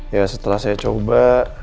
ya setelah saya coba